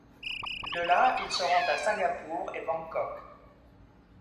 De là, il se rend à Singapour et Bangkok.